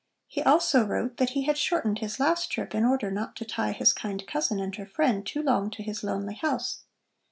He also wrote that he had shortened his last trip in order not to tie his kind cousin and her friend too long to his lonely house.